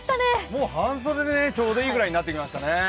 もう半袖でちょうどいいぐらいになってきました。